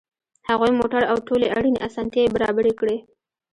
هغوی موټر او ټولې اړینې اسانتیاوې برابرې کړې